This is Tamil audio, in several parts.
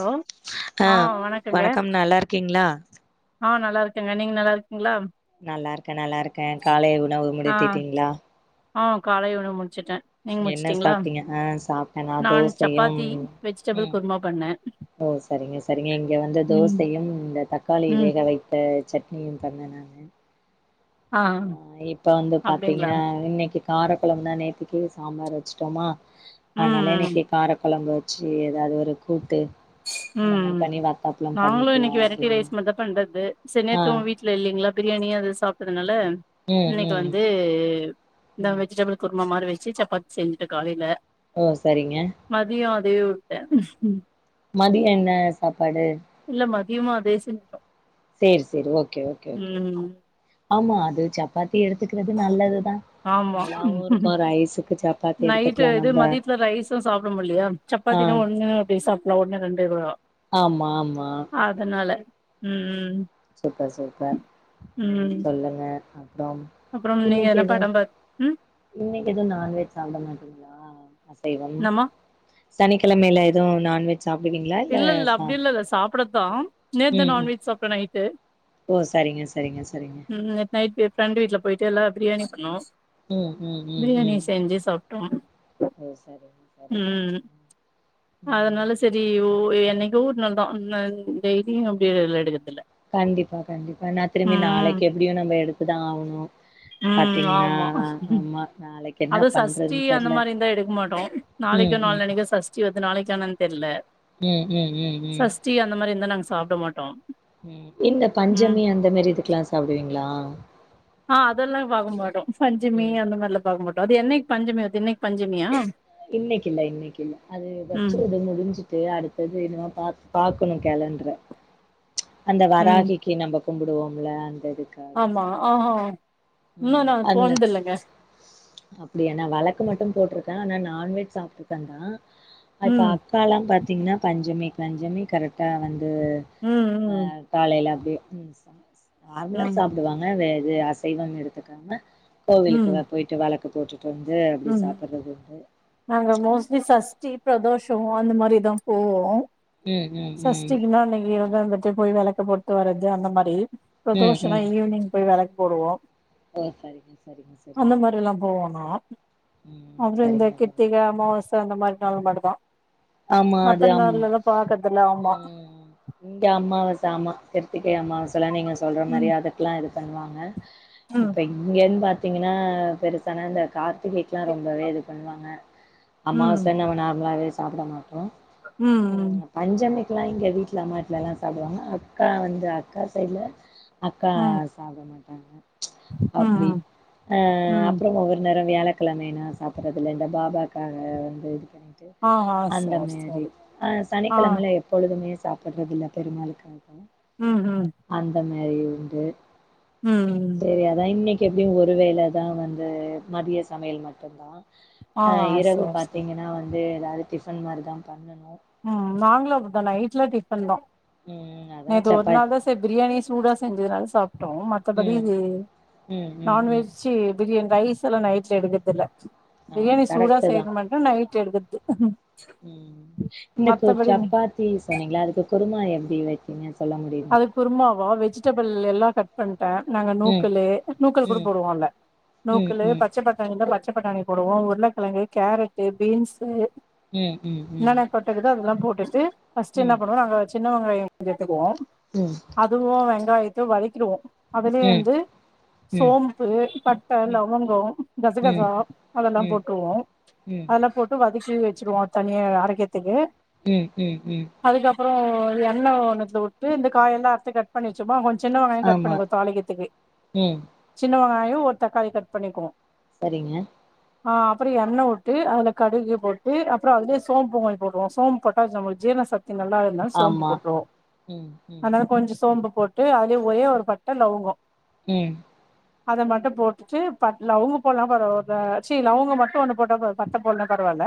லோ ஆ வணக்கம் நல்லா இருக்கீங்களா ஆ நல்லா இருக்கேங்க நீங்க நல்லா இருக்கிங்களா நல்ல இருக்க நல்ல இருக்க காலை உணவு ஆ முடித்திடிங்களா ஆ காலை உணவு முச்சிட்ட நீங்க என்ன முச்டிங்களா சாப்ட்டீங்க ஆ சாப்ட்டே நா நான் தோசையும் சப்பாத்தி வெஜிடேபிள் ம் குருமா பண்ணே ஓ சரிங்க சரிங்க இங்க வந்து ம் தோசையும் இந்த தக்காளி ம் வேக வை ந்த சட்னியும் தந்தே நானு ஆ இப்ப வந்து அப்டிங்களா பாத்தீங்கன்னா இன்னைக்கு காரக்கொழம்பு தா நேத்தைக்கு சாம்பார் வச்சுட்டோமா ம் அதனால ம் இன்னைக்கு கார கொழம்பு வச்சு ஏதாவது ஒரு கூட்டு அந்த மாரி உம் பண்ணி வத்தாப்பளம் நாங்களு பண்ணிக்கலா இன்னைக்கு வெரைட்டி அப்டின்னு ரைஸ் மட்டு தா பண்றது சே ஆ நேத்து உன் வீட் ல இல்லைங்கிளா பிரியாணி அது சாப்ட்டதுனால ம் ம் இன்னைக்கு வந்து இந்த ம் வெஜிடபிள் குருமா மாரி வச்சு சப்பாத்தி செஞ்சுட்டே காலையில ஓ சரிங்க மதியோ அதயே வுட்ட மதிய என்ன சாப்பாடு இல்ல மதியமு அதே செஞ்சிட்டோ சேரி சேரி ஓகே ஓகே ஓகே ஓகே ம் ஆமா அது சப்பாத்தி எடுத்துக்குறது நல்லது தா ஆமா சப்பாத்தி நைட்டு எடுத்துக்கலா இது நம்ப மதியத்துல ரைஸ்சு சாப்ட முல்லையா ஆ சப்பாத்தினா ஒண்ணு அப்டி சாப்டுலா ஒண்ணு ரெண்டு கூட ஆமா ஆமா அதனால ம் ம் சூப்பர் சூப்பர் ம் சொல்லுங்க அப்றம் அப்றம் நீங்க என்ன படம் பாத் ம் இன்னைக்கு எதுவு நான்வெஜ் சாப்ட மாட்டீங்ளா அசைவம் என்னம்மா சனிக்கிழமைல எதுவு நான்வெ சாப்டுவீங்களா இல்ல இல்ல அப்டிலா இல்ல சாப்பிடதா நேத்து தா ம் ம் நான்வெஜ் சாப்டோ நைட்டு ஓ சரிங்க சரிங்க சரிங்க ம் நைட்டு ப்ஃரெண்டு வீட்ல போயிட்டு எல்லாரு பிரியாணி பண்ணோ ம் பிரியாணி செஞ்சு சாப்டோ ஒ சரி ம் அதனால ம் சரி யோ என்னைக்கோ ஓர் நாள் தா ன்னா டெய்லியு அப்டிலா எடுக்றதுல்ல கண்டிப்பா கண்டிப்பா நா திரும்பியு நாளைக்கு எப்டியு நம்ப எடுத்துதா ஆகணு ம் ஆமா நாளைக்கு என்ன அது சஷ்டி பண்றதுன்னு அந்த தெர்ல. மாரி இருந்தா எடுக்க மாட்டோ நாளைக்கோ ம், ம், நாளான்னைக்கோ சஷ்டி வர்து நாளைக்கா என்னன் தெர்ல ம் ம் ம் ம் சஷ்டி அந்த மாரி இருந்தா நாங்க சாப்ட மாட்டோ ம் இந்த ம் பஞ்சமி அந்த மாரி இதுக்லா சாப்டுவீங்ளா ஆ அதெல்லா பாக்கமாட்டோ பஞ்சமி அந்த மாரிலா பாக்கமாட்டோ அது என்னைக்கு பஞ்சமி வர்து இன்னைக் பஞ்சமியா இன்னைக்கி இல்ல இன்னைக்கில்ல அது ம் வச்சுறது முடிஞ்சு து அடுத்தது என்னவோ பாக்கணு கேலண்டர அந்த ம் வராகி கி நம்ப கும்பிடுவோம்ல அந்த இதுக்கு ஆமா ஆகா இன்னு ம். நா அந்த போன்து இல்லங்க அப்டியா நா வெளக்கு மட்டு போட்ருக்கே ஆனா நான்வெஜ் சாப்டுருக்கே நா அ இப்ப ம் அ க்கா லா பாத்திங்னா பஞ்சமி பஞ்சமி கரெக்டா வந்து ம் அ ம் காலையில அப்டியே நார்மலா ம் சாப்டுவாங்க வெ இது அசைவம் எடுத்துக்காம கோவிலுக்கு ம் லா போயிட்டு வெளக்கு போட்டுட்டு வந்து அப்டி ம் சாப்பிட்றது நாங்க மோஸ்ட்லி சஷ்டி பிரதோஷோ அந்த மாரிதா போவோ ம் ம் ம் சஸ்டிக்கு நா அன்னைக்கு [unintelligible] சு போயி வெளக்கு போட்டுட்டு வரது அந்த மாரி ம் பிரதோஷனா ம் ஈவினிங் போய் வெளக்கு போடுவோ ஓ சரிங்க சரிங்க சரிங்க எல்லா போவோனு ம் அப்ற இந்த சரிங்க தோழி கித்திகை அம்மாவச அந்த மாரி நாள் மட்டுந்தா ஆமா அது மத்த ஆம் நாள்லல்லா பாக்கர்தில்ல ஆமா ம் இங்க அம்மாவாச ஆமா கிருத்திகை அம்மாவாசல்லா நீங்க சொல்ற மாரி ம் அதுக்லா இது பண்ணுவாங்க ம் இப்ப இங்கன்னு பாத்தீங்கன்னா பெருசானா இந்த கார்த்திகை ல்லா ரொம்பவே இது பண்ணுவாங்க அம்மாவாச நம்ம நார்மலாவே சாப்ட மாட்டோ ம் ம் ம் பஞ்சமைக்குலா இங்க வீட்ல அம்மாட்ல எல்லா சாப்டுவாங்க அக்கா வந்து அக்கா சைட்ல அக்கா ம் சாப்ட மாட்டாங்க அப்டி ம் ம் ஆ ம் அப்பறோ ஒவ்வொரு நேரோ வியாழக் கிழமை னா சாப்பிட்றதுல்ல இந்த பாபாக்காக வந்து [inaudible] ஆ ஆ அந்த சேரி மாரி சேரி ஆ ஆ சனிக்கிழமைல எப்பொழுதுமே சாப்பிடுறது இல்ல பெருமாளுக்காக ம் ம் அந்தம் கரி உண்டு ம் ம் செரி அதா இன்னைக் எப்டியு ஒரு வேள தா வந்து மதிய சமையல் மட்டுந்தா ஆ அ இரவு சேரி சேரி பாத்தீங்கனா வந்து ஏதாவது டிஃபன் மாதிரிதா பண்ணணு ம் நாங்களு அப்டி தா நைட்ல டிஃபன் தா ம் அதா நேத்து ஒரு சப்பாத் நாள் தா செரி பிரியாணி சூடா செஞ்சதுனால சாப்டோ ம த்தபடி ம் ம் ம் ம் நான்வெஜ்ஜூ பிரியாணி ரைஸ் எல்லா நைட்ல எடுக்கறதில்ல ஆ பிரியாணி சூடா கரெக்ட்டு தா செய்யணு மட்டு நைட் எடுக்குற்து ம் இந்தக்கு சப்பாத்தி சொன்னீங்களா அதுக்கு குருமா எப்டி வச்சீங்க சொல்ல முடியுமா அது குருமாவா வெஜிடேபிள் எல்லா கட் பண்ணிட்ட நாங்க ம் நூக்கலு நூக்கல் கூட ம் போடுவோம் அதுல ம் நூக்கலு ம் பச்ச பட் நாங்க இதுல பச்ச பட்டாணி போடுவோ உருளகெழங்கு கேரட்டு பீன்ஸு ம் ம் ம் தொட்டுக்குது அதெல்லா போட்டுட்டு ஃபஸ்டு என்ன பண்ணுவோ நாங்க சின்ன வெங்காயோ கொஞ்சோ எடுத்துக்குவோ ம் அதுவு வெங்காயத்தையு வதக்கிடுவோ அதுலே ம் வந்து ம் ம் சோம்பு பட்ட ம் லவங்கோ ம் கசகசா அதெல்லா போட்ருவோ ம் அதெல்லா போட்டு வதக்கி வச்சுக்குவோ தனியா அரைக்கிறதுக்கு ம் ம் ம் அதுக்கப்பறோ எண்ணெ ஒண்ணுத்துல விட்டு இந்த காயெல்லா அறுத்து க ட் பண்ணிவச்சோமா கொஞ்சோ சின்ன வெங்காயோ கட் ஆமா பண்ணிக்கோ தாளிகத்துக்கு ம் சின்ன வெங்காயோ ஒரு தக்காளி கட் பண்ணிக்குவோ செரிங்க ஆ அப்பறோ எண்ணெவுட்டு அதுல கடுகு போட்டு அப்புறோ அதுலே சோம்பு வாங்கி போடுவோ சோம் பொட்டாஷம் நம்ளுக்கு ஜீர்ண சக்தி நல்லா இருக் ஆமா ம் ம் அதனால கொஞ்ச சோம்பு போட்டு அதுலே ஒரே ஒரு பட்ட லவங்கோ ம் அத மட்டு போட்டுட்டு பட் லவங்க போடலா பரவாயில்ல செரி லவங்க மட்டும் ஒண்ணு போட்டா ப பட்ட போட்லா பரவாயில்ல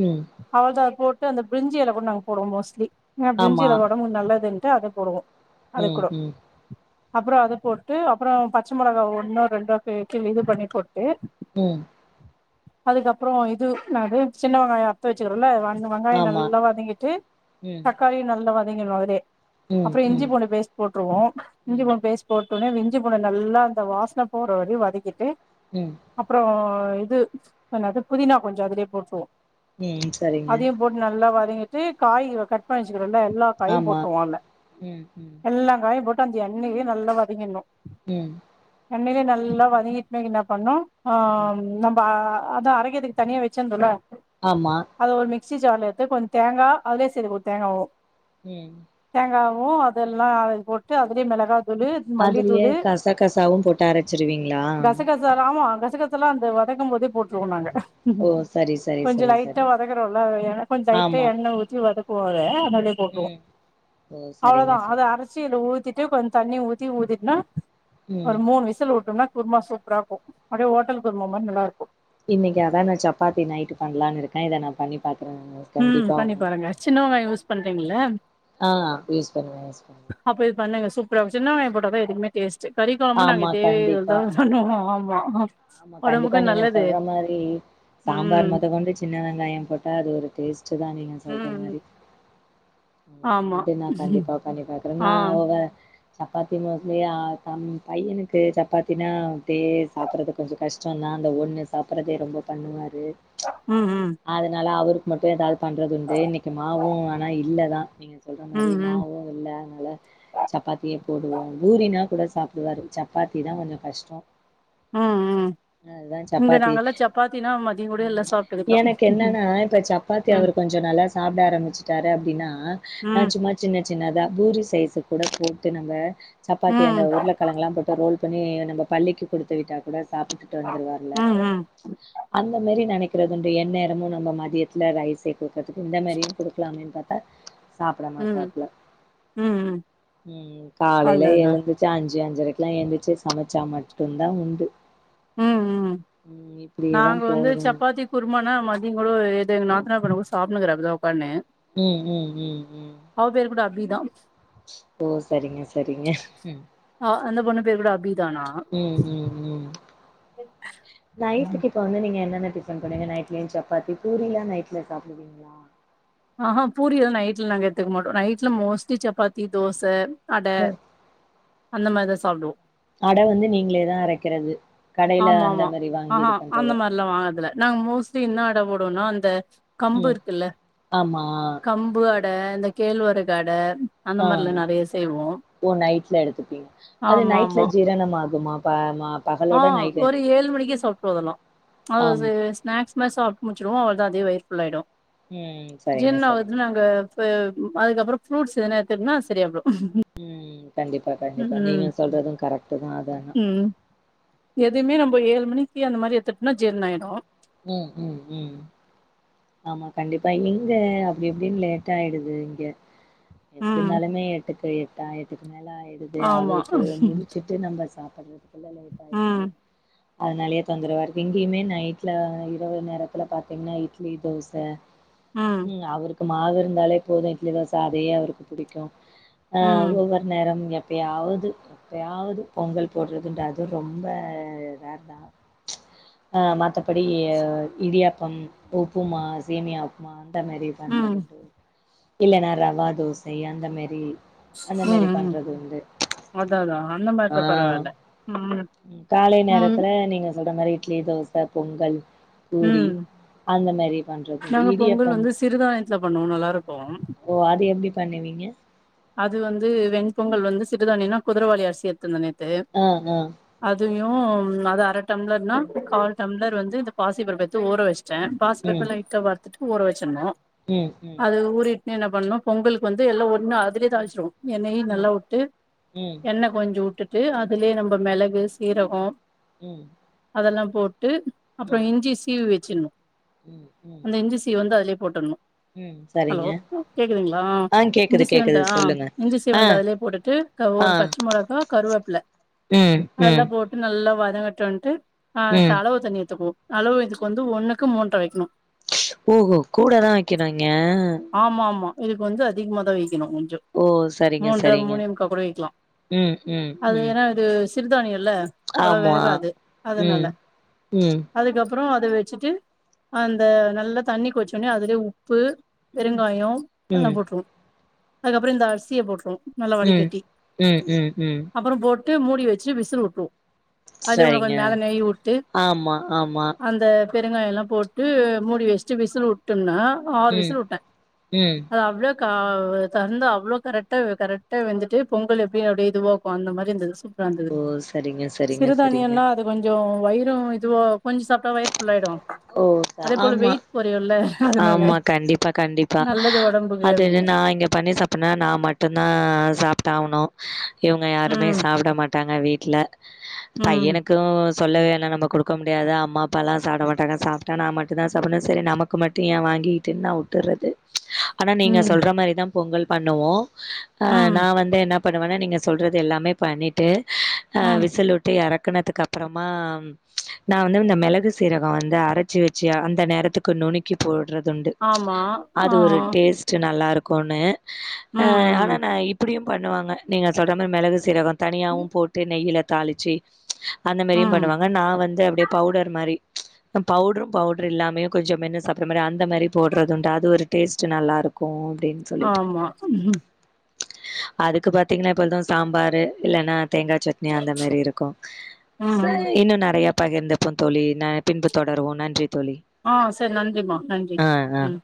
ம் அவ்ளதா அது போட்டு அந்த பிரிஞ்சியில கூட நாங்க போவோ மோஸ்ட்லி ஏ ஆமா பிரிஞ்சியெல ஒடம்புக்கு நல்லது இல் ட்டு அத போடுவோ அது ம் கூடோ ம் அப்றோ அது போட்டு அப்றோ பச்ச மொளகா ஒண்ணோ ரெண்டோ அ கிள்ளி இது பண்ணி போட்டு ம் அதுக்கப்றோ இது என்னாது சின்ன வெங்காயோ த்து வச்சுக்கிறோம்ல வெங்காயோ ஆமா நல்லா வதங்கிட்டு ம் ம் தக்காளியு நல்லா வதங்கணு அதுலே அப்புறோ ம் இஞ்சி ம் பூண்டு பேஸ்ட் போட்டுருவோ இஞ்சி பூண்டு பேஸ்ட் போட்டுனே இஞ்சி பூண்டு நல்லா அந்த வாசன போற வரையு வதக்கிட்டு ம் அப்றோ இது என்னாது புதினா கொஞ்சோ அதுலயே போட்ருவோ ம் செரிங்க போட்டு நல்லா வதங்கிட்டு காயி வ கட் பண்ணி வச்சிக்கரோல எல்லா காயு ஆமா போட்டு தொவால ம் ம் எல்லா காயு போட்டு அந்த எண்ணெயிலே நல்லா வதக்கிணு ம் எண்ணையிலே நல்லா வதங்கிட்னா என்னா பண்ணு ம் ம் ஆ நம்ம அ அத அரை ரதுக்கு தனியா வச்சுருந்துல ஆமா அத ஒரு மிக்சி ஜார்ல எடுத்து கொஞ்சோ தேங்கா அதுலே சேத்துகோ தேங்காவு ம் தேங்காவு அதெல்லா அது போட்டு அதுலேயே மிளகா அதுலேயே கசா கசாவு போட்டு அரச்சிருவீங்ளா கசகசா ஆமா கசகாசல்லா அந்து வதக்கும் போதே போட்டுருவோ நாங்க ஓ சரி சரி கொஞ்சோ சரி லைட்டா சரி வதக்குறோல அத கொஞ்சோ லைட்டா ஆமா எண்ணெய் ஊத்தி வதக்குவோ அத [unintelligible] ம் ஓ அவ்ளோதா சரிங்க அது சரிங்க அரிசியில ஊத்திட்டு கொஞ்சோ தண்ணி ஊத்தி ஊத்திட்னா ஒரு ம் மூணு விசில் விட்டோம்னா குருமா சூப்பரா இருக்கு அப்டியே ஹோட்டல் குருமா மாரி நல்லா இருக்கு இன்னைக்கி அத நா சப்பாத்தி நைட் பண்லானு இருக்கே இத நா பண்ணி பாக்குறே ம் பண்ணி பாருங்க சின்னவெங்கயு யூஸ் பண்றீங்கள ஆ யூஸ் பண்ணுவ யூஸ் பண்ணுவ அப்போ இது பண்ணுங்க சூப்பரா சின்ன வெங்காயோ போட்டாதா எதுக்குமே டேஸ்டு கறிகொழம்பு நாங்க ஆமா இதே இதுலதா கண்டிப்பா பண்ணணு ஆமா கண்டிப்பா ஒடம்புக்கு நீங்க நல்லது சொல்ற மாரி சாம்பார் ம் மொத கொண்டு சின்ன வெங்காயோ போட்டா அது ஒரு டேஸ்டுதா நீங்க சொல்ற மாரி ம் ஆமா அது நா கண்டிப்பா பண்ணி பாக்றே ஆ நா [unintelligible] சப்பாத்தி மோஸ்ட்லி தம் பையனுக்கு சப்பாத்தினா தே சாப்றதுக் கொஞ்சோ கஷ்டந்தா அந்த ஒன்னு சாப்பிடறதே ரொம்ப பண்ணுவாரு ம் ம் அதனால அவருக்கு மட்டு ஏதாது பண்றது உண்டு இன்னைக்கி மாவு ஆனா இல்லதா நீங்க சொல்ற மாரி ம் ம் மாவு இல்ல அதனால சப்பாத்தியே போடுவோ பூரினா கூட சாப்பிடுவாரு சப்பாத்திதா கொஞ்சோ கஷ்டோ ம் ம் அதுதா இங்க சப்பாத்தி நாங்கல்லா சப்பாத்தினா மதியோ கூட ம் எல்லா சாப் எனக்கு என்னனா இப்ப சப்பாத்தி அவரு கொஞ்சோ நல்லா சாப்பிட ஆரம்பிச்சிட்டாரு அப்டினா நா ம் சும்மா சின்ன சின்னதா பூரி சைஸு கூட போட்டு நம்ப சப்பாத்திய அந்த ம் உருழக் கெழங்கெலா போட்டு ரோல் பண்ணி நம்ப பள்ளிக்கு குடுத்து விட்டா சாப்பிட்டுட்டு வந்துருவார்ல ம் ம் ம் அந்த மேரி நெனைக் க்குறதுன்டு என்நேரமு நம்ம மதியத்துல ரைசே குடுக்கறதுக்கு இந்த மாரியு குடுக்கலாமேனு பாத்தா சாப்பிட ம் மாட்டாப்ல ம் ம் காலையில அதா அதா எழுந்துத் அஞ்சு அஞ்சரைக்லா எந்திர்ச்சி சமைச்சா மட்டுந்தா உண்டு ம் ம் ம் ம் இப்டியேதா நாங்க வந்து போகுதுங்க சப்பாத்தி குருமானா மதியங்குள ஒரு இது எங்க நாத்தனா பொண்ணு கூட சாப்னுருக்க இப்பத உட்கானு ம் ம் ம் ம் அவ பேரு கூட அபிதா ஓ சரிங்க சரிங்க ஆ அந்த பொண்ணு பேர் கூட அபிதானா ம் ம் ம் நைட்டுக்கு இப்போ வந்து நீங்க என்னென்ன டிஃபன் பண்வீங்க நைட்லயு சப்பாத்தி பூரிலா நைட்ல சாப்பிடுவீங்ளா ஆ ஹா பூரியலா நைட்டில் நாங்க எட்த்துக்க மாட்டோ நைட்ல மோஸ்ட்லி சப்பாத்தி தோச அட ம் அந்த மார்தா சாப்டோ அட வந்து நீங்ளே தா அரைக்றது ஆமாம்மா ஆ ஹா அந்த மார்லா வாங்கர்துல நாங்க மோஸ்ட்லி இன்ன அட போடுவன்னா அந்த கம்பு ம் இருக்குல்ல ஆமா கம்பு அட இந்த கேழ்வரகு அட அந்த ஆ மாரிலா நெறைய செய்வோ ஓ நைட்ல எடுத்துப்பீங்க அது ஆமா நைட்ல ஆமா ஜீரணம் ஆகுமா பயமா ஆ ஒரு ஏழு மணிக்கே சாப்ட்ருவ அதலா அதுல ஆம் சிலகேஸ் ஸ்நாக்ஸ் மார் சாப்ட்டு முட்ச்சுடுவோ அவள்தா அதே வயிர் ஃபுல் ஆய்டு ம் சரிங்க சரிங்க ஜீர்னாவாது நாங்க இப்ப அதுக்கப்புறோ ஃப்ரூட்ஸ் எதுனா எடுத்துட்னா சரியாபோ ம் கண்டிப்பா கண்டிப்பா நீங்க சொல்றது கரெக்டுதா அதானா எதுமே நம்போ ஏழ் மணிக்கி அந்த மாரி எத்துட்னா ஜீர்ணாயடு ம் ம் ம் ஆமா கண்டிப்பா இங்க அப்டி இப்டின் லேட் ஆய்டுது இங்க எப்டி ம் இருந்தாலுமே எட்டுக்கு எட்டா எட்டுக்கு மேல ஆய்டுது ஆமா அவருக்கு முடுச்சு ட்டு நம்ம சாப்படறதுக்குள்ள லேட் ஆய்டுது ம் அதுனாலயே தொந்தரவா இருக்கு இங்கயுமே நைட் ல இரவு நேரத்ல பாத்தீங்னா இட்லி தோச ம் அவரு க்கு மாவு இருந்தாலே போது இட்லி தோச அதயே அவருக்கு புடிக்கு ஆ ம் ம் ஒவ்வர் நேரம் எப்பியாவுது எப்பயாவுது பொங்கல் போடுறதுன்டு அதூ ரொம்ப ரேர்தா ஆ மத்த படி இடியாப்பம் உப்புமா சேமியா உப்மா அந்த மாரி ம் பண்றதுண்டு இல்லனா ரவா தோசை அந்த மாரி அந்த மாரி ம் பண்றதுண்டு அதா அதா அந்த மார்லா பரவால்ல ம் காலை ம் நேரத்துல நீங்க சொல்ற மாரி இட்லி தோச பொங்கல் பூரி ம் அந்த மாரி பண்றது உண்டு. நாங்க பொங்கல் இடியப்பம் வந்து சிறுதானியத்துல பண்ணுவோ நல்லா இருக்கு ஓ அது எப்டி பண்ணுவீங்க அது வந்து வெண் பொங்கல் வந்து சிறுதாணினா குதுரவாளி அர்சி எட்த்திர்ந்த நேத்து அ அ அதையும் அத அர டம்ளர்னா கால் டம்ளர் வந்து இந்த பாசிப்பருப் எட்த்து ஊற வச்ட்டேன் ம் பாஸ்பர்ப்ப லைட்டா வர்த்துட்டு ஊற வச்சுர்னு ம் ம் அது ஊறி என்ன பண்ணூ பொங்கலுக் வந்து எல்லா ஒன்னா அதுலே தாள்ஸ்ருவோ எண்ணெயு ம் ம் நல்லா உட்டு ம் எண்ண கொஞ்சு உட்டுட்டு அதுலே நம்ப மெளகு சீரகோ ம் அதலா போட்டு அப்புறோ ம் இஞ்சி சீவி வச்சிர்ணு ம் அந்த இஞ்சி சீ வந்து அதுலே போட்டர்ணு ம் ஹலோ சரிங்க. கேக்குதுங்ளா ஆ இஞ்சி கேக்குது கேக்குது சீவந்தா சொல்லுங்க. இ்ஞ்சி ஆ சீவந்த அதுலே போட்டுட்டு க்க ஆ ஒரு பச்ச மொளகா கருவேப்பில ம் ம் அதெல்லா போட்டு நல்லா வதங்கட்டுன்ட்டு் ஆ த ம் அளவு தண்ணி எத்துக்குவோ அளவு இதுக்கு வந்து ஒன்னுக்கு மூன்ற வைக்ணு ஓஹோ கூடதா வைக்கணுங்ய ஆமா ஆமா இதுக்கு வந்து அதிகமா தா வைக்கணு கொஞ்சோ ஓ! சரிங்க, மூன்ற சரிங்க. மூனே முக்கா கூட வைக்கலா ம், ம், அது ம். என்ன இது சிறுதானியல்ல ஆமா ம் ம் அதுக்கப்புறம் அத வச்சுட்டு அந்த நல்லா தண்ணி கொச்சோடனே அதுலயே உப்பு ம். பெருங்காயம் அதெல்லா ம், போட்டருவோ அதுக்கப்பறம் இந்த அரிசிய போட்டருவோ நல்லா வடி ம், கட்டி ம், ம், ம். அப்பறம் போட்டு மூடி வச்சு விசில் உட்டுருவோ சரிங்க ஆமா ஆமா அந்த பெருங்காய எல்லாம் போட்டு மூடி வச்ட்டு விசில் உட்டம்னா ஆறு ம், விசில் உட்டேன் ம். அது அவ்ள கா தந்து அவ்ள கரெக்டா கரெக்டா வெந்துட்டு பொங்கல் எப்டி அப்டிய இதுவாக்கும் அந்த மாரி இந்தது ஓ! சரிங்க, சரிங்க, சரிங்க. சிறுதானியன்னா இது கொஞ்சோ வயிறும் இதுவோ கொஞ்ச சாப்ட்டா வயிர் ஃபுல்லாயிடும் ஒ ஆமா அதனால ஆமா கண்டிப்பா கண்டிப்பா நல்லது ஒடம்புக்கு அது இது அப்டின்னு நா இங்க பண்ணி சாப்பனுனா நா மட்டு தா சாப்ட்டாவணும் இவுங்க யாருமே ம் சாப்ட மாட்டாங்க வீட்ல ம் பையனுக்கு எதும் சொல்லவேணா நம்ம குடுக்க முடியாது அம்மா அப்பால்லா சாப்ட மாட்டாங்க சாப்ட்டா நா மட்டு தா சாப்பனும் சரி நமக்கு மட்டு ஏன் வாங்கிகிட்டுனு நா உட்டுறது ஆனா நீங்க ம் சொல்ற மாரி தா பொங்கல் பண்ணுவோம் அ ம் நா வந்து என்ன பண்ணுவானா நீங்க சொல்றது எல்லாமே பண்ணிட்டு அ ம் விசில் உட் டு எறக்குனதுக்கு அப்பறமா நா வந்து இந்த மெளகு சீரகம் வந்து அரச்ச வச்சு அந்த நேரத்துக்கு நுணுக்கி போடறது உண்டு ஆமா அது ஆ ஒரு டேஸ் ச்சு நல்லா இருக்கும்னு ம் ஆனா நா இப்டியும் பண்ணுவாங்க நீங்க சொல்ற மாரி மெளகு சீரகம் ம் தனியாவு போட்டு நெய்யில தாளிச்சி அந்த மாரியும் ம் பண்ணுவாங்க நா வந்து அப்டியே பவுடர் மாரி பவுட்ரும் பவுடரு இல்லாமயு கொஞ்ச மென்னு சாப்ற மாரி அந்த மாரி போட்றது உண்டு அது ஒரு டேஸ்ட் நல்லா இருக்கு அப்டின்னு சொல்லி ஆமா அதுக்கு பாத்தீங்கன்னா இப்ப எதும் சாம்பாரு இல்லன்னா தேங்கா சட்னி அந்த மாரி இருக்கு ம் இன்னும் நறைய பகிர்ந்துப்போ தோழி நா பின்பு தொடருவோம் நன்றி தோழி ஆ சரி நன்றிமா நன்றி ஆ ஆ ம்